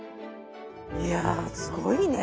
いやすごいね。